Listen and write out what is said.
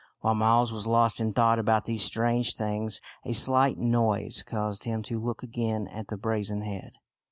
While Miles was lost in thought about these strange things a slight noise caused him to look again at the brazen head.